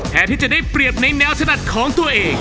ที่จะได้เปรียบในแนวถนัดของตัวเอง